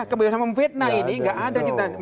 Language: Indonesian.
ada kebebasan memfitnah ini gak ada cita cita